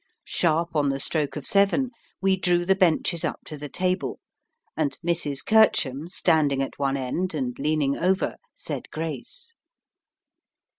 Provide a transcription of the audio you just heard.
Sharp on the stroke of seven we drew the benches up to the table, and Mrs. Kercham, standing at one end and leaning over, said grace.